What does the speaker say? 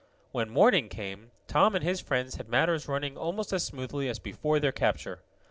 When morning came Tom and his friends had matters running almost as smoothly as before their capture.